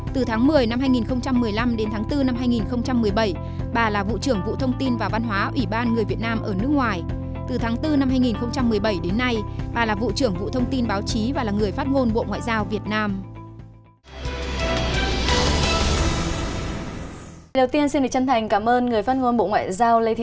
từ tháng một mươi năm hai nghìn một mươi năm đến tháng bốn năm hai nghìn một mươi bảy bà là vụ trưởng vụ thông tin và văn hóa ủy ban người việt nam ở nước ngoài